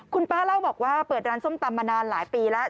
คุณป้าเล่าบอกว่าเปิดร้านส้มตำมานานหลายปีแล้ว